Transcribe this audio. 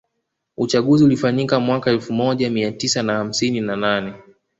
Uchaguzi ulifanyika mwaka elfu moja Mia tisa na hamsini na nane